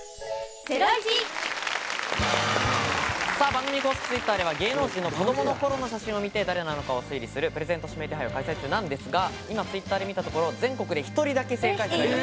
番組公式Ｔｗｉｔｔｅｒでは芸能人の子供の頃の写真を見て誰なのかを推理するプレゼント指名手配を開催中なんですが、今、Ｔｗｉｔｔｅｒを見たところ、全国で１人だけ正解者がいる。